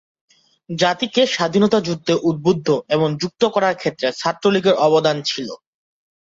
জাতিকে স্বাধীনতা যুদ্ধে উদ্বুদ্ধ ও যুক্ত করার ক্ষেত্রে ছাত্রলীগের অবদান ছিল।